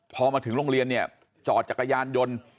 พอมาถึงโรงเรียนเนี่ยจอดจักรยานยนต์